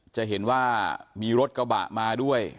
จะเห็นว่ามีรถกระบะมาด้วย